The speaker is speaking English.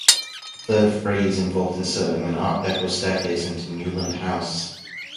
The third phase involved inserting an Art Deco staircase into Newland House.